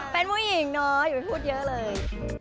เป็นผู้หญิงเนาะอย่าไปพูดเยอะเลย